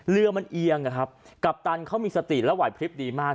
เรือมันเอียงนะครับกัปตันเขามีสติและไหวพลิบดีมาก